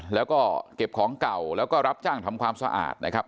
แล้วก็เก็บของเก่าแล้วก็รับจ้างทำความสะอาดนะครับ